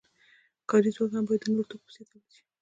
کاري ځواک هم باید د نورو توکو په څیر تولید شي.